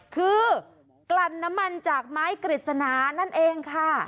คือกลั่นน้ำมันจากไม้กฤษณานั่นเองค่ะ